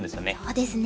そうですね。